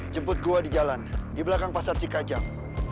jemput gua di jalan di belakang pasar cikajang